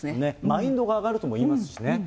マインドが上がるとも言いますしね。